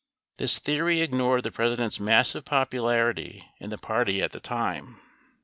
This theory ignored the President's massive popularity in the party at the time.